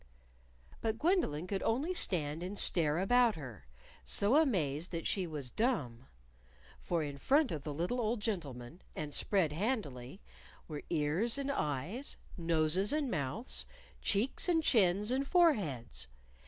But Gwendolyn could only stand and stare about her, so amazed that she was dumb. For in front of the little old gentleman, and spread handily, were ears and eyes, noses and mouths, cheeks and chins and foreheads.